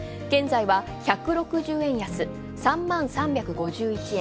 １６０円安、３万３５１円。